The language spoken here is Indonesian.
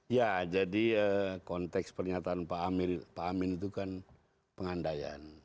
ya jadi konteks pernyataan pak amin itu kan pengandaian